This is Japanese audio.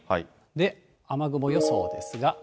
雨雲予想ですが。